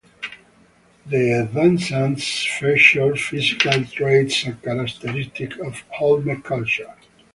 The Danzantes feature physical traits characteristic of Olmec culture.